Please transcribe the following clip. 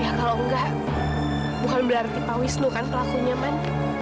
ya kalau enggak bukan berarti pak wisnu kan pelakunya kan